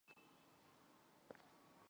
元代属朵甘宣慰司。